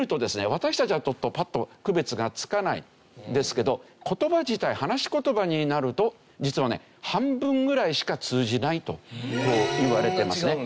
私たちはパッと区別がつかないんですけど言葉自体話し言葉になると実はね半分ぐらいしか通じないといわれてますね。